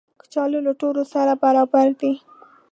کچالو له ټولو سره برابر دي